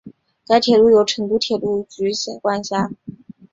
该铁路由成都铁路局管辖。